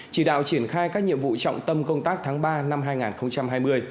chỉ đạo triển khai các nhiệm vụ trọng tâm công tác tháng ba năm hai nghìn hai mươi